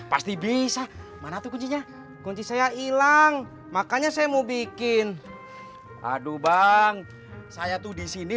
pasti bisa mana tuh kuncinya kunci saya hilang makanya saya mau bikin aduh bang saya tuh di sini